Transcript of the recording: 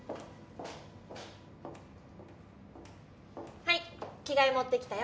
はい着替え持ってきたよ。